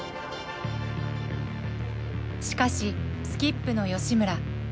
しかしスキップの吉村。